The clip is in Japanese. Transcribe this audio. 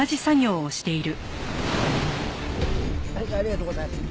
ありがとうございます。